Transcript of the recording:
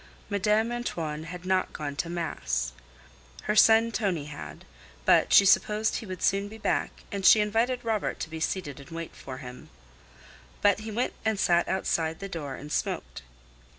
Madame Antoine had not gone to mass. Her son Tonie had, but she supposed he would soon be back, and she invited Robert to be seated and wait for him. But he went and sat outside the door and smoked.